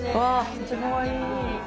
めっちゃかわいい。